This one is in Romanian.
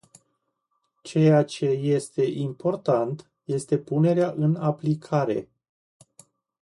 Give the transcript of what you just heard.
Ceea ce este important este punerea în aplicare.